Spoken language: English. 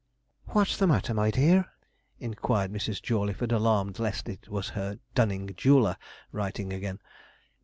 'What's the matter, my dear?' inquired Mrs. Jawleyford, alarmed lest it was her dunning jeweller writing again.